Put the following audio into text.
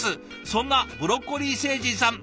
そんなブロッコリー星人さん